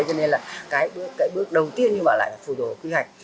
cho nên là cái bước đầu tiên là phải phụ thuộc vào quy hoạch